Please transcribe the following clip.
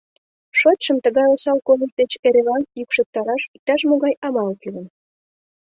Шочшым тыгай осал койыш деч эрелан йӱкшыктараш иктаж-могай амал кӱлын.